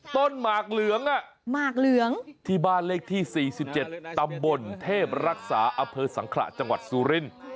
หมากเหลืองอ่ะหมากเหลืองที่บ้านเลขที่๔๗ตำบลเทพรักษาอเภอสังขระจังหวัดสุรินทร์